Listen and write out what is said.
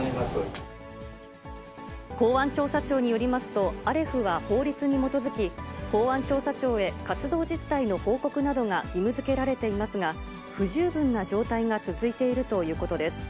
公安調査庁によりますと、アレフは法律に基づき、公安調査庁へ活動実態の報告などが義務づけられていますが、不十分な状態が続いているということです。